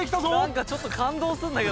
なんかちょっと感動するんだけど。